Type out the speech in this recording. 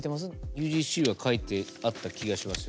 ＵＧＣは書いてあった気がします。